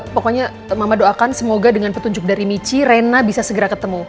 pokoknya mama doakan semoga dengan petunjuk dari michi rena bisa segera ketemu